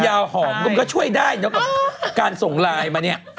หอมมันก็ช่วยได้เนอะกับการส่งไลน์มาเนี่ย